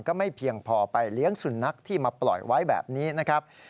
ก็ไม่เพียงพอไปเลี้ยงสุนัขที่มาปล่อยไว้แบบนี้นะครับ